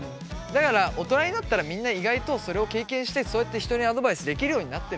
だから大人になったらみんな意外とそれを経験してそうやって人にアドバイスできるようになってるから。